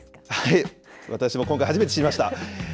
私も今回、初めて知りました。